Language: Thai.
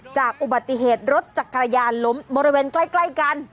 จากอุบัติเหตุรถจักรยานล้มบริเวณใกล้กัน